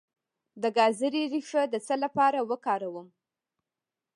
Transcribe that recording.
د ګازرې ریښه د څه لپاره وکاروم؟